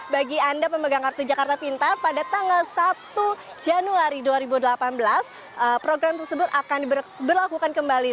bagi anda pemegang kartu jakarta pintar pada tanggal satu januari dua ribu delapan belas program tersebut akan diberlakukan kembali